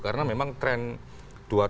karena memang tren dua tahun